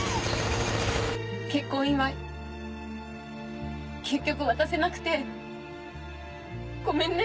結婚祝い結局渡せなくてごめんね。